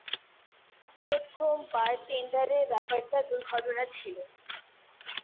প্রথম বারটেন্ডারের ব্যাপারটা দুর্ঘটনা ছিল।